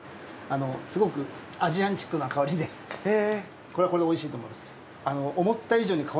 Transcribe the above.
すごくアジアンチックな香りでこれはこれで美味しいと。